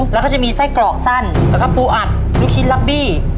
แล้วก็จะมีไส้กรอกสั้นแล้วก็ปูอัดลูกชิ้นลักบี้